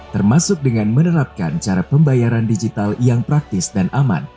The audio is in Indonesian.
termasuk dengan menerapkan cara pembayaran digital yang praktis dan aman